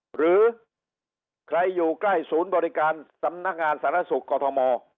หรือใครอยู่ใกล้ศูนย์บริการสำนักงานสารสุขกรทม